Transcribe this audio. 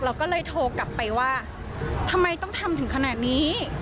เราก็ทรงกลับไปว่าทำไมต้องทำถึงฉะนั้น